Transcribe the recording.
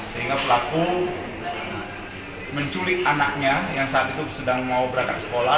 sehingga pelaku menculik anaknya yang saat itu sedang mau berangkat sekolah